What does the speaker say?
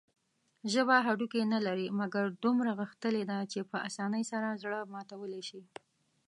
ژبه هډوکي نلري، مګر دومره غښتلي ده چې په اسانۍ سره زړه ماتولى شي.